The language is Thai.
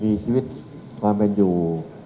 มีชีวิตความเป็นอยู่